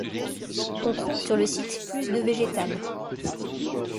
On trouve sur le site plus de végétales.